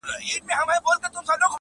چي قلم پورته کومه کردګار ته غزل لیکم -